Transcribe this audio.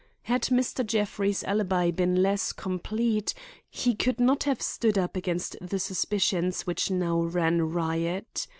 Had Mr. Jeffrey's alibi been less complete he could not have stood up against the suspicions which now ran riot.